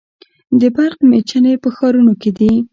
د برق میچنې په ښارونو کې دي.